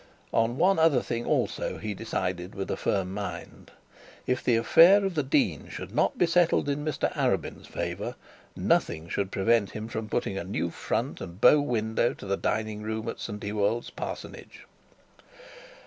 On one other thing also he decided with a firm mind: if the affair of the dean should not be settled in Mr Arabin's favour, nothing should prevent him putting a new front and bow window to the dining room at St Ewold's parsonage.